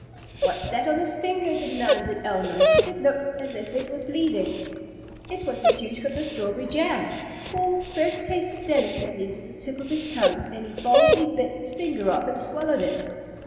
_" "What's that on his finger?" demanded Elma. "It looks as if it were bleeding." It was the juice of the strawberry jam! Paul first tasted delicately with the tip of his tongue, then he boldly bit the finger off and swallowed it.